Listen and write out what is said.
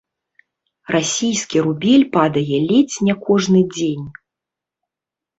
Расійскі рубель падае ледзь не кожны дзень.